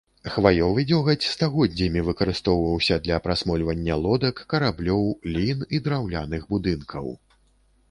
Хваёвы дзёгаць стагоддзямі выкарыстоўваўся для прасмольвання лодак, караблёў, лін і драўляных будынкаў.